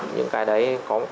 những cái đấy